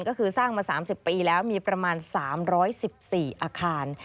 ก็คือสร้างมา๓๐ปีแล้วมีประมาณ๓๑๔อาคาร